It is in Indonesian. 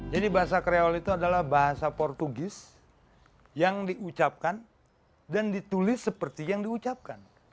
jadi bahasa kreol itu adalah bahasa portugis yang diucapkan dan ditulis seperti yang diucapkan